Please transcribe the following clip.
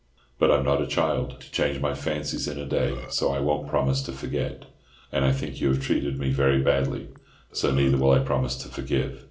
But I'm not a child, to change my fancies in a day, so I won't promise to forget. And I think you have treated me very badly, so neither will I promise to forgive.